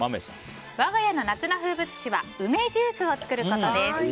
我が家の夏の風物詩は梅ジュースを作ることです。